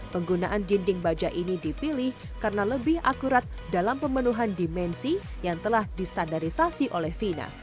penggunaan dinding baja ini dipilih karena lebih akurat dalam pemenuhan dimensi yang telah distandarisasi oleh fina